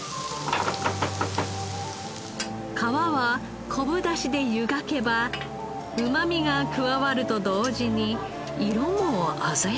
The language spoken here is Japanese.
皮は昆布出汁で湯がけばうまみが加わると同時に色も鮮やかになるそうです。